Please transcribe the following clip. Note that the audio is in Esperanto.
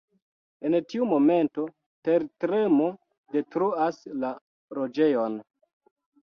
En tiu momento, tertremo detruas la loĝejon.